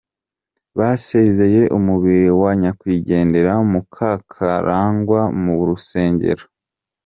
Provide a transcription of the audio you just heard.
Basezeye umubiri wa nyakwigendera Mukakarangwa mu rusengero .